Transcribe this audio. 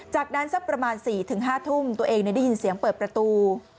จากนั้นสักประมาณ๔๕ทุ่มตัวเองได้ยินเสียงเปิดประตู